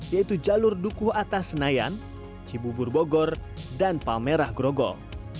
yaitu jalur dukuhatas senaian cibubur bogor dan palmerah grogol